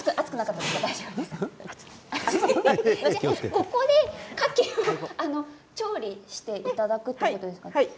ここで、かきを調理していただくということですね。